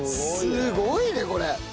すごいねこれ。